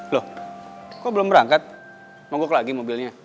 loh kok belum berangkat monggok lagi mobilnya